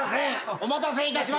お待たせいたしました。